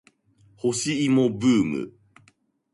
干し芋ブーム